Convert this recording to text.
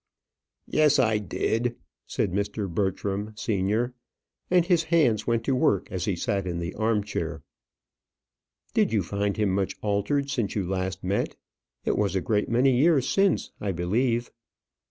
"Yes, I did," said Mr. Bertram senior; and his hands went to work as he sat in the arm chair. "Did you find him much altered since you last met? It was a great many years since, I believe?"